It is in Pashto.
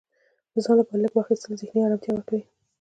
د ځان لپاره لږ وخت اخیستل ذهني ارامتیا ورکوي.